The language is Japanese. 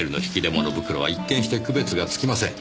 物袋は一見して区別がつきません。